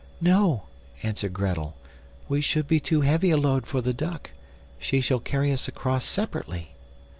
"No," answered Grettel, "we should be too heavy a load for the duck: she shall carry us across separately."